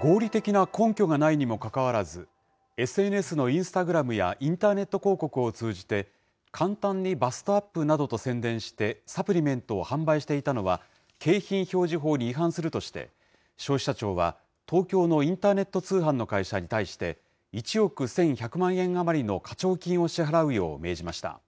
合理的な根拠がないにもかかわらず、ＳＮＳのインスタグラムやインターネット広告を通じて、簡単にバストアップなどと宣伝して、サプリメントを販売していたのは景品表示法に違反するとして、消費者庁は、東京のインターネット通販の会社に対して、１億１１００万円余りの課徴金を支払うよう命じました。